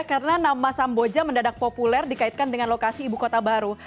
karena nama samboja mendadak populer dikaitkan dengan lokasi ibu kota baru